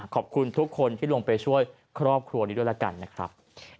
ขอบคุณทุกคนที่ลงไปช่วยครอบครัวนี้ด้วยแล้วกันนะครับ